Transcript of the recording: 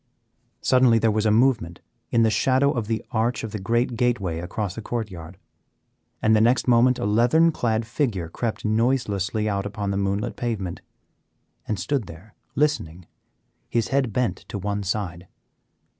Suddenly there was a movement in the shadow of the arch of the great gateway across the court yard, and the next moment a leathern clad figure crept noiselessly out upon the moonlit pavement, and stood there listening, his head bent to one side.